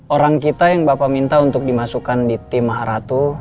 orang kita yang bapak minta untuk dimasukkan di tim ratu